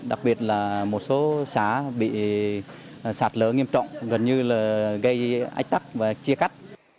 đặc biệt là một số xã bị sạt lở nghiêm trọng gần như là gây ách tắc và chia cắt